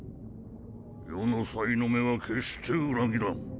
余のサイの目は決して裏切らん。